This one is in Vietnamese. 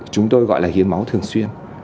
chúng tôi gọi là hiến máu thường xuyên